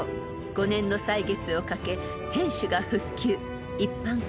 ［５年の歳月をかけ天守が復旧］